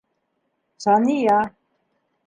Сания